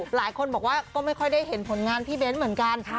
หลายคนบอกว่าก็ไม่ค่อยได้เห็นผลงานพี่เบ้นเหมือนกัน